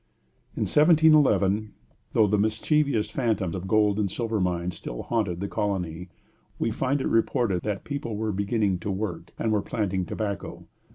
In 1711, though the mischievous phantom of gold and silver mines still haunted the colony, we find it reported that the people were beginning to work, and were planting tobacco.